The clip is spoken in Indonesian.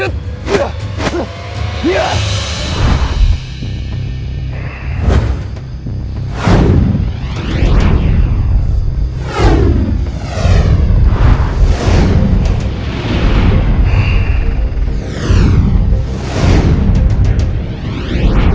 kau akan menangkapku